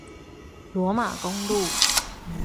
羅馬公路